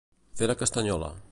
Fer la castanyola.